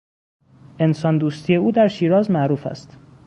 انسان دوستی او در شیراز معروف است.